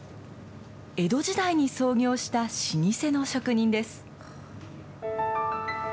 江戸時代に創業した老舗の職人です。